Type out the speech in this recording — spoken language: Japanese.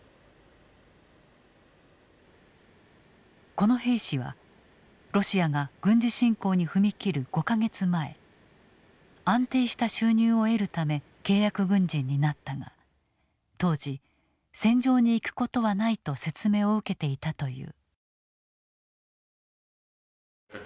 この兵士はロシアが軍事侵攻に踏み切る５か月前安定した収入を得るため契約軍人になったが当時戦場に行くことはないと説明を受けていたという。